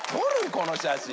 この写真。